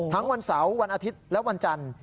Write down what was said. วันเสาร์วันอาทิตย์และวันจันทร์